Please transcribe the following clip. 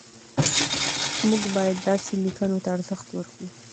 موږ باید داسې لیکنو ته ارزښت ورکړو.